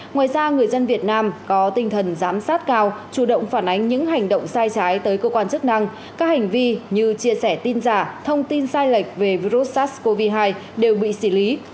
ngoài ra người dân việt nam có tinh thần giám sát cao chủ động phản ánh những hành động sai trái tới cơ quan chức năng các hành vi như chia sẻ tin giả thông tin sai lệch về virus sars cov hai đều bị xử lý